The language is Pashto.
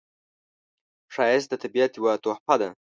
ښایست د طبیعت یوه تحفه ده